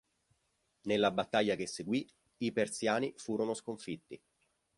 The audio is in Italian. Nella battaglia che seguì, i Persiani furono sconfitti.